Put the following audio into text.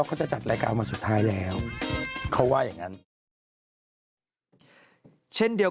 เขาจะจัดรายการวันสุดท้ายแล้วเขาว่าอย่างงั้นเช่นเดียว